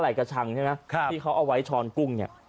กระชังใช่ไหมที่เขาเอาไว้ช้อนกุ้งเนี่ย